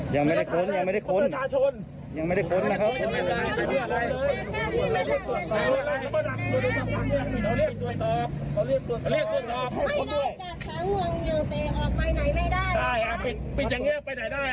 อย่างไม่ได้ค้นยังไม่ได้ค้นนะครับ